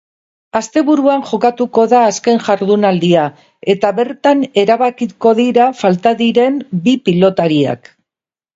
Asteburuan jokatuko da azken jardunaldia eta bertan erabakiko dira falta diren bi pilotariak.